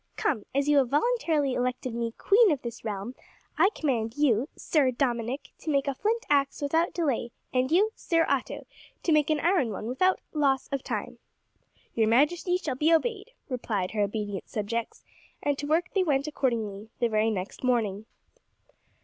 "Come, as you have voluntarily elected me queen of this realm, I command you, Sir Dominick, to make a flint axe without delay, and you, Sir Otto, to make an iron one without loss of time." "Your majesty shall be obeyed," replied her obedient subjects, and to work they went accordingly, the very next morning.